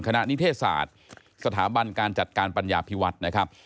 นิเทศศาสตร์สถาบันการจัดการปัญญาพิวัฒน์นะครับ